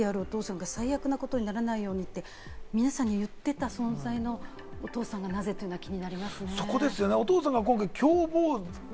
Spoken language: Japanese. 精神科医であるお父様が最悪なことにならないようにって、皆さんに言っていた存在のお父さんがなぜというのは気になりますね。